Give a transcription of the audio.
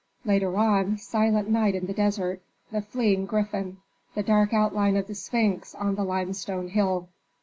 Later on, silent night in the desert. The fleeing griffin, the dark outline of the sphinx on the limestone hill.